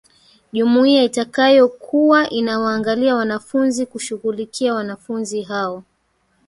Jumuiya itakayokuwa inawaangalia wanafunzi kushughulikia wanafunzi hao